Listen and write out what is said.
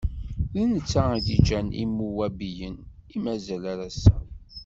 D netta i d-iǧǧan Imuwabiyen, i mazal ar ass-a.